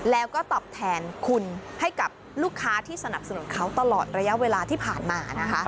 แล้วก็ตอบแทนคุณให้กับลูกค้าที่สนับสนุนเขาตลอดระยะเวลาที่ผ่านมานะคะ